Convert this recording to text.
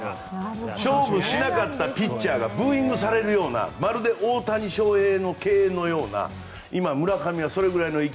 勝負しなかったピッチャーがブーイングされるようなまるで大谷翔平の敬遠のような今、村上はそれぐらいの域。